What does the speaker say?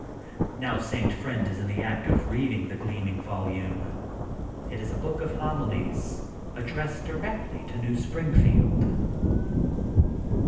Now St. Friend is in the act of reading the gleaming volume. It is a book of homilies, addressed directly to New Springfield.